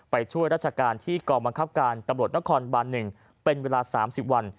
ไปช่วยราชการที่กรบบังคับการตำลดนครบันหนึ่งเป็นเวลาสามสิบวัน